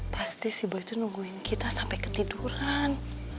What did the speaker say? pasti si boy tuh nungguin kita sampe ketiduran